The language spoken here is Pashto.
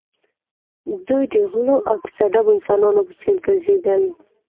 دوی د غلو او کوڅه ډبو انسانانو په څېر ګرځېدل